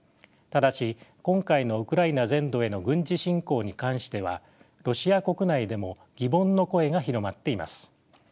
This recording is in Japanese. ただし今回のウクライナ全土への軍事侵攻に関してはロシア国内でも疑問の声が広まっています。